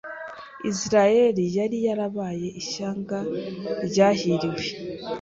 Isiraeli yari yarabaye ishyanga ryahiriwe,